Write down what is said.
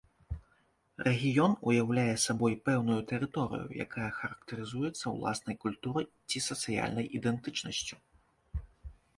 Рэгіён уяўляе сабой пэўную тэрыторыю, якая характарызуецца ўласнай культурай ці сацыяльнай ідэнтычнасцю.